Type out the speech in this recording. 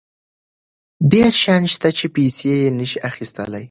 ډېر شیان شته چې پیسې یې نشي اخیستلی.